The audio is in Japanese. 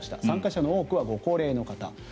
参加者の多くはご高齢の方。